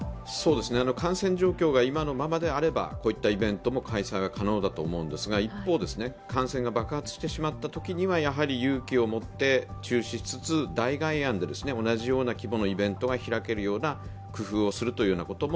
感染状況が今のままであれば、こういったイベントも開催は可能だと思うんですが、一方感染が爆発してしまったときにはやはり勇気を持って中止しつつ代替案で同じような規模のイベントが開けるような工夫をすることも